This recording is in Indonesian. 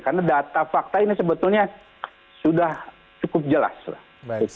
karena data fakta ini sebetulnya sudah cukup jelas